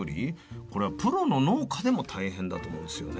これはプロの農家でも大変だと思うんですよね。